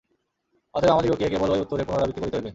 অতএব আমাদিগকে কেবল ঐ উত্তরের পুনরাবৃত্তি করিতে হইবে।